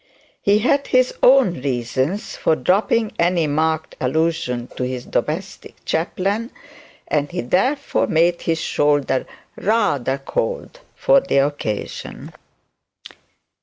He had his own reasons for dropping any marked allusion to his domestic chaplain, and he therefore made his shoulder rather cold for the occasion.